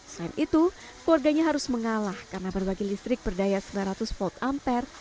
selain itu keluarganya harus mengalah karena berbagi listrik berdaya sembilan ratus volt ampere